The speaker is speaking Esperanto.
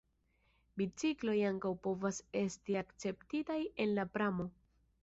Bicikloj ankaŭ povas esti akceptitaj en la pramo.